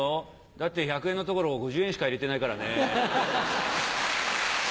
「だって１００円のところを５０円しか入れてないからね」。